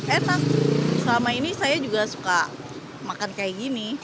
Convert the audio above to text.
enak selama ini saya juga suka makan kayak gini